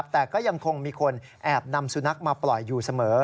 แต่ก็ยังคงมีคนแอบนำสุนัขมาปล่อยอยู่เสมอ